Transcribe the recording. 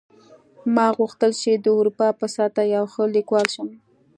ما هم غوښتل چې د اروپا په سطحه یو ښه لیکوال شم